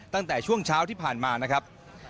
ตั้งแต่ช่วงเช้าที่ผ่านมานะครับ